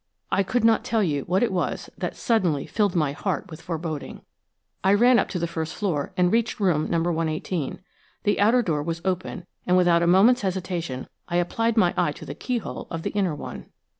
I could not tell you what it was that suddenly filled my heart with foreboding. I ran up to the first floor and reached room No. 118. The outer door was open, and without a moment's hesitation I applied my eye to the keyhole of the inner one.